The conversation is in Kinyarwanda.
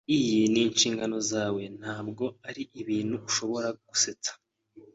Iyi ni inshingano zawe. Ntabwo ari ibintu ushobora gusetsa.